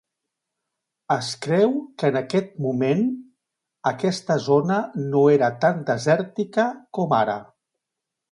Es creu que en aquest moment, aquesta zona no era tan desèrtica com ara.